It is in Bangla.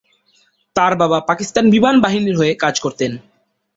তাঁর বাবা পাকিস্তান বিমান বাহিনীর হয়ে কাজ করতেন।